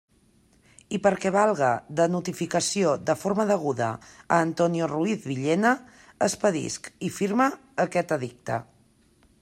I perquè valga de notificació de forma deguda a Antonio Ruiz Villena, expedisc i firme aquest edicte.